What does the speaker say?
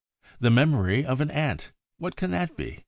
The memory of an Ant! What can that be?